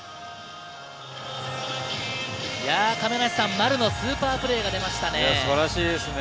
丸のスーパープレーが出ましたね。